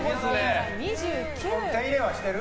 手入れはしてる？